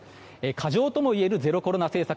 過剰ともいえるゼロコロナ政策。